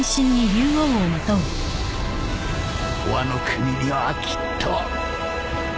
ワノ国にはきっと